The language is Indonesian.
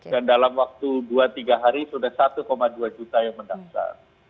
dan dalam waktu dua tiga hari sudah satu dua juta yang mendaftar